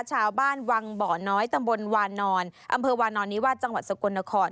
ชาวบ้านวังบ่อน้อยตำบลวานอนอำเภอวานอนนิวาสจังหวัดสกลนคร